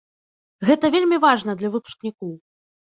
Гэта вельмі важна для выпускнікоў.